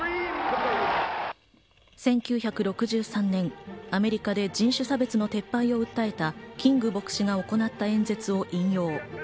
１９６３年、アメリカで人種差別の撤廃を訴えたキング牧師が行った演説を引用。